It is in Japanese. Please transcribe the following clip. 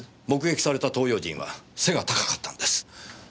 目撃された東洋人は背が高かったんです。